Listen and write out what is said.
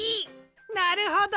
なるほど！